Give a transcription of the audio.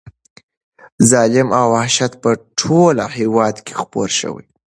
ظلم او وحشت په ټول هېواد کې خپور شوی و.